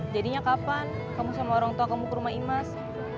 jadinya kapan kamu sama orang tua kamu ke rumah imas